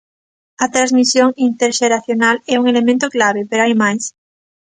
A transmisión interxeracional é un elemento clave, pero hai máis.